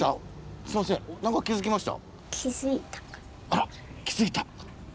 あらっ気づいた？